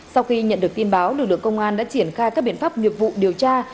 sau khi nhận được tin báo lực lượng công an đã triển khai các biện pháp nghiệp vụ điều tra